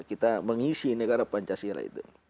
kita mengisi negara pancasila itu